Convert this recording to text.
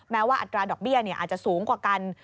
ว่าอัตราดอกเบี้ยอาจจะสูงกว่ากัน